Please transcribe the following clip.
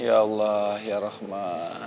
ya allah ya rahmat